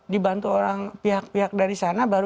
dibantu orang pihak pihak dari sana baru